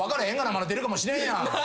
まだ出るかもしれんやん。